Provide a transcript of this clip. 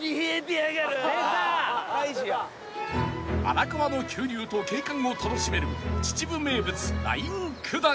［荒川の急流と景観を楽しめる秩父名物ライン下り］